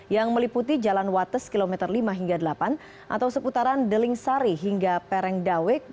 yang meliputi jalan wates kilometer lima hingga delapan atau seputaran delingsari hingga pereng dawek